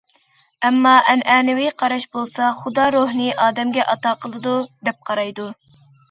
ئەمما ئەنئەنىۋى قاراش بولسا خۇدا روھنى ئادەمگە ئاتا قىلىدۇ، دەپ قارايدۇ.